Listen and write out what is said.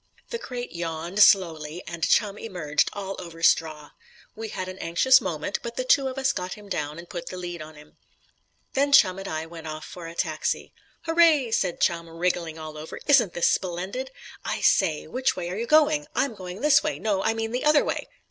The crate yawned slowly, and Chum emerged all over straw. We had an anxious moment, but the two of us got him down and put the lead on him. Then Chum and I went off for a taxi. "Hooray," said Chum, wriggling all over, "isn't this splendid? I say, which way are you going? I'm going this way.... No, I mean the other way."